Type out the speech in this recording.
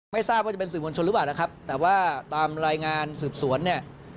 ไม่ทราบว่าจะเป็นสื่อมวลชนหรือเปล่านะครับแต่ว่าตามรายงานสืบสวนเนี่ย